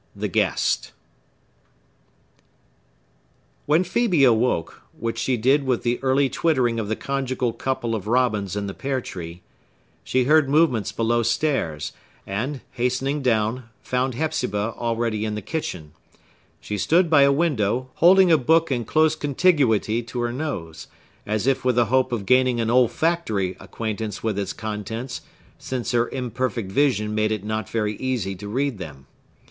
The Guest When Phœbe awoke,—which she did with the early twittering of the conjugal couple of robins in the pear tree,—she heard movements below stairs, and, hastening down, found Hepzibah already in the kitchen. She stood by a window, holding a book in close contiguity to her nose, as if with the hope of gaining an olfactory acquaintance with its contents, since her imperfect vision made it not very easy to read them.